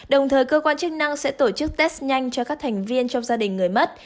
đồng thời cơ quan chức năng sẽ tổ chức test nhanh cho các thành viên trong gia đình người mất